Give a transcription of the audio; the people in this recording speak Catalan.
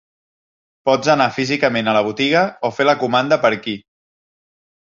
Pots anar físicament a la botiga o fer la comanda per aquí.